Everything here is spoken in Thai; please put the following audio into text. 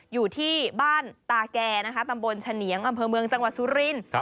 อยู่ที่บ้านตาแก่นะคะตำบลเฉนียงอำเภอเมืองจังหวัดสุรินทร์